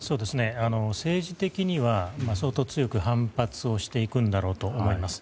政治的には相当強く反発をしていくんだろうと思います。